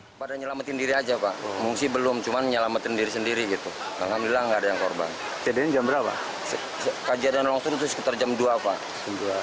kejadian longsor itu sekitar jam dua pak